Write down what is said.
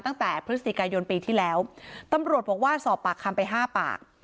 ตั้งแต่พฤศจิกายนปีที่แล้วตำรวจบอกว่าสอบปากคำไปห้าปาก